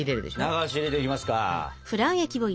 流し入れていきますか！